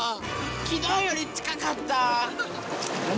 昨日より近かった！